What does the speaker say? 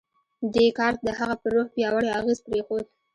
دې کار د هغه پر روح پیاوړی اغېز پرېښود